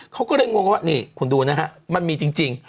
เขาก็เลยงงกันว่านี่คุณดูนะฮะมันมีจริง